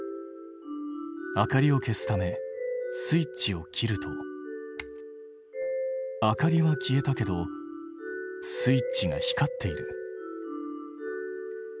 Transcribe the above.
明かりを消すためスイッチを切ると明かりは消えたけどスイッチが光っている。